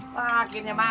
wah akhirnya makran